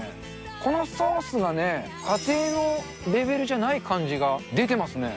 このソースがね、家庭のレベルじゃない感じが出てますね。